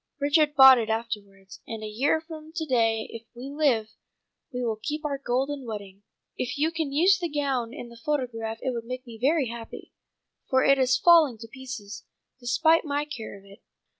Richard bought it afterwards. And a year from to day if we live, we will keep our golden wedding. If you can use the gown in the photograph it will make me very happy, for it is falling to pieces, despite my care of it.